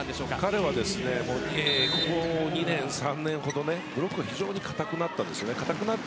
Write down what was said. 彼はここ２３年ほどブロックが硬くなったんですね。